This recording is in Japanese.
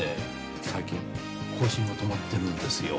最近更新が止まっているんですよ。